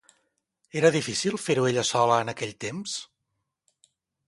Era difícil fer-ho ella sola en aquell temps?